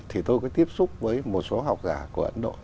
thì tôi có tiếp xúc với một số học giả của ấn độ